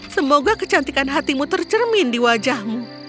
semoga kecantikan hatimu tercermin di wajahmu